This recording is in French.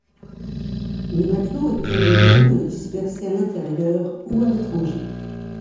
Les matelots étaient de même dispersés à l'intérieur ou à l'étranger.